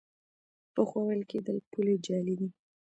پخوا ویل کېدل پولې جعلي دي.